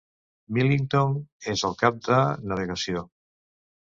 Millington és el cap de navegació.